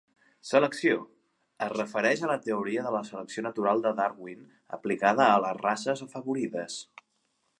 Selecció: es refereix a la teoria de la selecció natural de Darwin aplicada a les "races afavorides".